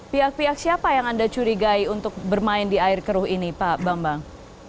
pihak pihak siapa yang anda curigai untuk bermain di air keruh ini pak bambang